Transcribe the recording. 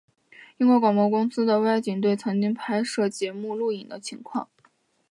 英国广播公司的外景队曾经拍摄节目录影的情况。